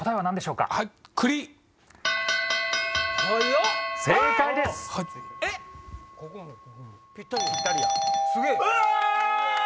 うわ！